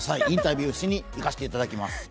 インタビューしに行かせていただきます。